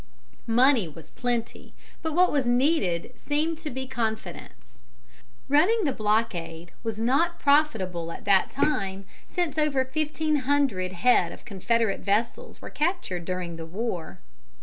Money was plenty, but what was needed seemed to be confidence. Running the blockade was not profitable at that time, since over fifteen hundred head of Confederate vessels were captured during the war.